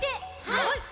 はい！